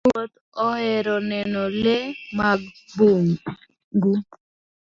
Jowuoth ohero neno le mag bungu.